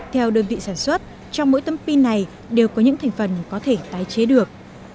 theo đơn vị sản xuất trong mỗi tấm pin này đều có những thành phần có thể tái chế được